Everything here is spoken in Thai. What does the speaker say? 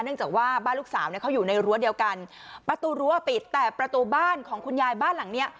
จากว่าบ้านลูกสาวเนี่ยเขาอยู่ในรั้วเดียวกันประตูรั้วปิดแต่ประตูบ้านของคุณยายบ้านหลังเนี้ย